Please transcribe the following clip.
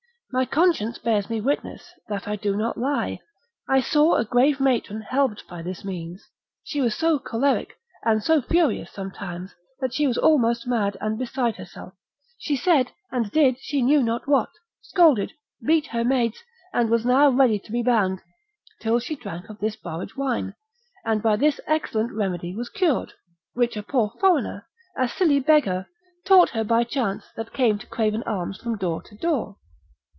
My conscience bears me witness, that I do not lie, I saw a grave matron helped by this means; she was so choleric, and so furious sometimes, that she was almost mad, and beside herself; she said, and did she knew not what, scolded, beat her maids, and was now ready to be bound till she drank of this borage wine, and by this excellent remedy was cured, which a poor foreigner, a silly beggar, taught her by chance, that came to crave an alms from door to door.